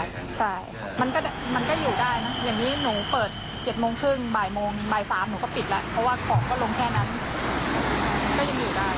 มันก็อยู่ได้นะเดี๋ยวนี้หนูเปิด๗โมงครึ่งบ่ายโมงบาย๓หนูก็ปิดแล้วเพราะว่าของก็ลงแค่นั้นก็ยิ่งยอดดาย